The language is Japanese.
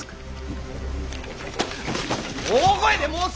大声で申せ！